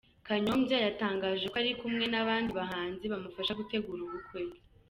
Kanyombya yatangaje ko ari kumwe n’abandi bahanzi bamufasha gutegura ubukwe bwe.